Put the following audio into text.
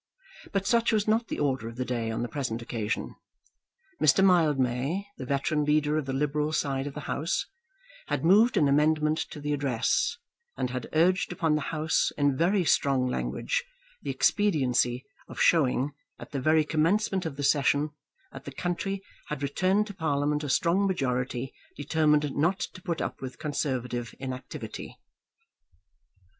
But such was not the order of the day on the present occasion. Mr. Mildmay, the veteran leader of the liberal side of the House, had moved an amendment to the Address, and had urged upon the House, in very strong language, the expediency of showing, at the very commencement of the session, that the country had returned to Parliament a strong majority determined not to put up with Conservative inactivity.